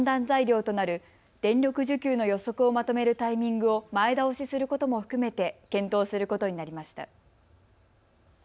材料となる電力需給の予測をまとめるタイミングを前倒しすることも含めて検討することになりました。